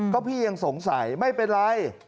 ก็พี่ยังสงสัยไม่เป็นไร